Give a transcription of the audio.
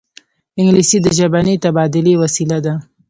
انګلیسي د ژبني تبادلې وسیله ده